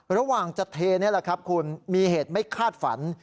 ระหว่างจะเทนี่แหละครับคุณมีเหตุไม่คาดฝัน